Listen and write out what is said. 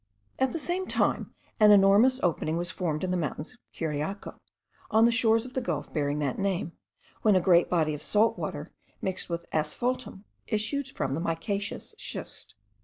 At the same time an enormous opening was formed in the mountains of Cariaco, on the shores of the gulf bearing that name, when a great body of salt water, mixed with asphaltum, issued from the micaceous schist.